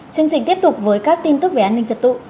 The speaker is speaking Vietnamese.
chương trình tiếp tục với các tin tức về an ninh trật tự